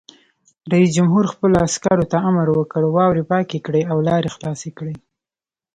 رئیس جمهور خپلو عسکرو ته امر وکړ؛ واورې پاکې کړئ او لارې خلاصې کړئ!